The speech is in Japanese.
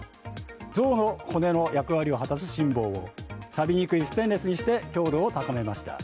像の骨の役割を果たす心棒をさびにくいステンレスにして強度を高めました。